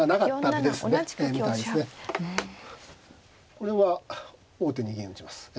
これは王手に銀打ちますね。